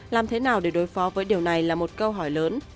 làm thế nào để đối phó với điều này là một câu hỏi lớn